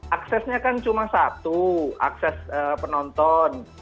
aksesnya kan cuma satu akses penonton